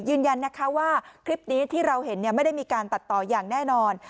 ยืนยันนะคะว่าคลิปนี้ที่เราเห็นไม่ได้มีการตัดต่ออย่างแน่นอน